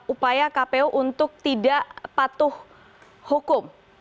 upaya kpu untuk tidak patuh hukum